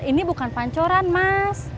ini bukan pancoran mas